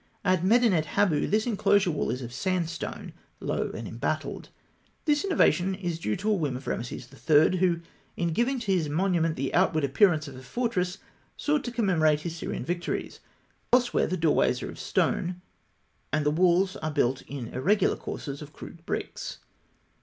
At Medinet Habu, this enclosure wall is of sandstone low, and embattled. The innovation is due to a whim of Rameses III., who, in giving to his monument the outward appearance of a fortress, sought to commemorate his Syrian victories. Elsewhere, the doorways are of stone, and the walls are built in irregular courses of crude bricks.